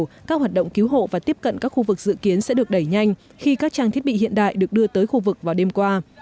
các hoạt động cứu hộ và tiếp cận các khu vực dự kiến sẽ được đẩy nhanh khi các trang thiết bị hiện đại được đưa tới khu vực vào đêm qua